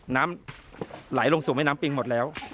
น้ำไหลลงสู่แม่น้ำปิงหมดแล้ว